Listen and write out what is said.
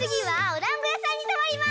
はい。